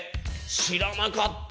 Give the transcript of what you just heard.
知らなかった！